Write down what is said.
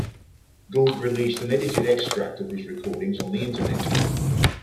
Gould released an edited extract of his recordings on the internet.